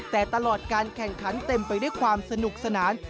แต่ตลอดการแข่งขันเต็มไปด้วยความสนุกสนาน